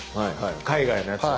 海外のやつは。